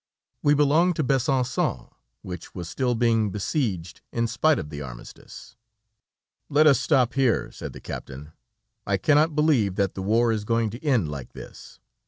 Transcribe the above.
We belonged to Besançon, which was still being besieged in spite of the armistice. "Let us stop here," said the captain. "I cannot believe that the war is going to end like this.